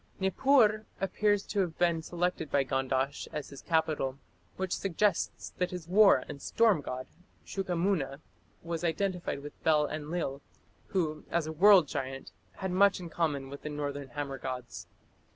Nippur appears to have been selected by Gandash as his capital, which suggests that his war and storm god, Shuqamuna, was identified with Bel Enlil, who as a "world giant" has much in common with the northern hammer gods.